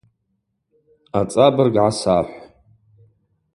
Ацӏабырг гӏасахӏв.